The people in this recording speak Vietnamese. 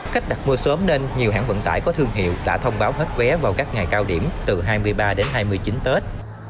khách đặt mua sớm nên nhiều hãng vận tải có thương hiệu đã thông báo hết vé vào các ngày cao điểm từ hai mươi ba đến hai mươi chín tết